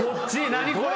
何これ。